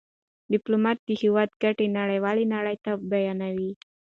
ډيپلومات د هېواد ګټې نړېوالي نړۍ ته بیانوي.